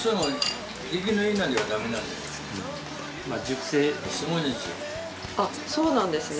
あっそうなんですね。